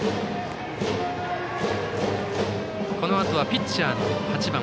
このあとはピッチャーの８番、辻。